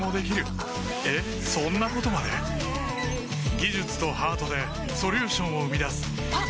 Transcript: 技術とハートでソリューションを生み出すあっ！